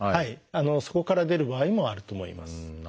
そこから出る場合もあると思います。